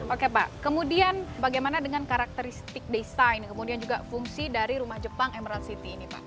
oke pak kemudian bagaimana dengan karakteristik desain kemudian juga fungsi dari rumah jepang emerald city ini pak